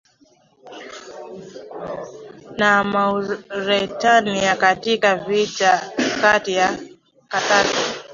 na Mauretania Katika vita kati ya Karthago